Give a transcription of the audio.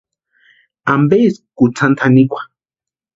¿Ampeeski kutsanta janikwa?